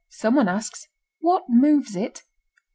Someone asks: "What moves it?"